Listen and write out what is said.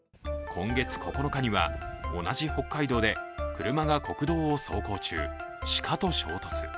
今月９日には、同じ北海道で車が国道を走行中、鹿と衝突。